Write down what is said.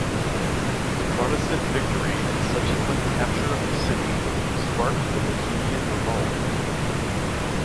The Protestant victory and subsequent capture of the city sparked the Bohemian Revolt.